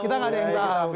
kita gak ada yang tahu